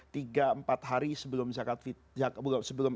tiga empat hari sebelum